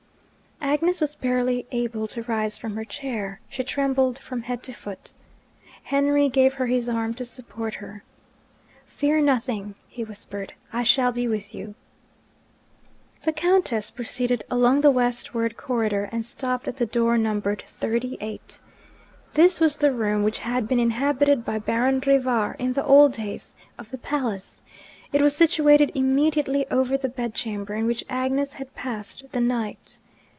"' Agnes was barely able to rise from her chair; she trembled from head to foot. Henry gave her his arm to support her. 'Fear nothing,' he whispered; 'I shall be with you.' The Countess proceeded along the westward corridor, and stopped at the door numbered Thirty eight. This was the room which had been inhabited by Baron Rivar in the old days of the palace: it was situated immediately over the bedchamber in which Agnes had passed the night.